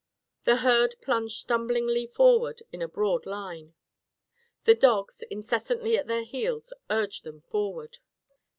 The herd plunged stumblingly forward in a broad line. The dogs, incessantly at their heels, urged them forward.